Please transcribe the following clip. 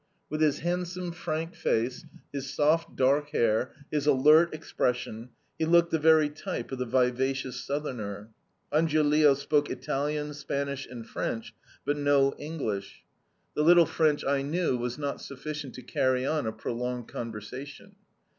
With his handsome frank face, his soft dark hair, his alert expression, he looked the very type of the vivacious Southerner. Angiolillo spoke Italian, Spanish, and French, but no English; the little French I knew was not sufficient to carry on a prolonged conversation.